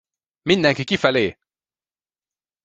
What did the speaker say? Mindenki kifelé!